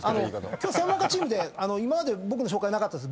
今日専門科チームで今まで僕の紹介なかったです。